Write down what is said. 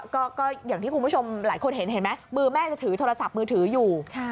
ก็อย่างที่คุณผู้ชมหลายคนเห็นเห็นไหมมือแม่จะถือโทรศัพท์มือถืออยู่